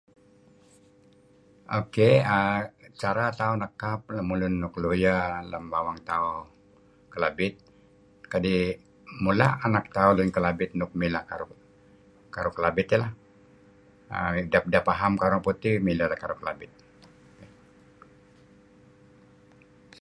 Ok. Cara tauh nekan lun nuk lawyer lam bawang tauh Kelabit kadi' mula' anak tauh Kelabit nuk mileh karuh Kelabit iih lah. Idah faham karuh Orang Putih mileh tideh karuh Kelabit.